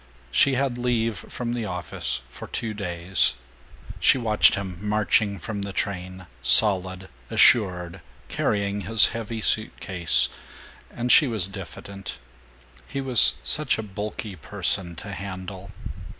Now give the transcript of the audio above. She had leave from the office for two days. She watched him marching from the train, solid, assured, carrying his heavy suit case, and she was diffident he was such a bulky person to handle.